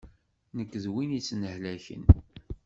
Nekk d win yettnehlaken.